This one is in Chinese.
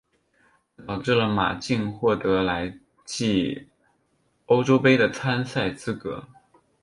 这导致了马竞获得来季欧洲杯的参赛资格。